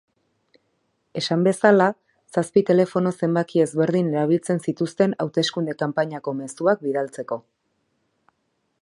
Esan bezala, zazpi telefono zenbaki ezberdin erabiltzen zituzten hauteskunde kanpainako mezuak bidaltzeko.